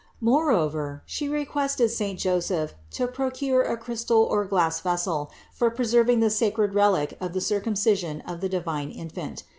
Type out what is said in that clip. Moreover, She requested saint Joseph to procure a crystal or glass vessel for preserving the sacred relic of the Cir cumcision of the divine Infant.